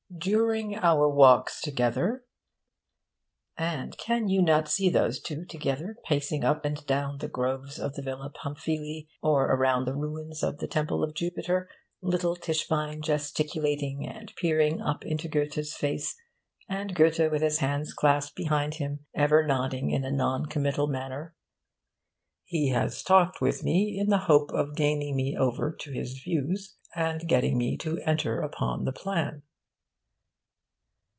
'During our walks together' and can you not see those two together, pacing up and down the groves of the Villa Pamphili, or around the ruins of the Temple of Jupiter? little Tischbein gesticulating and peering up into Goethe's face, and Goethe with his hands clasped behind him, ever nodding in a non committal manner 'he has talked with me in the hope of gaining me over to his views, and getting me to enter upon the plan.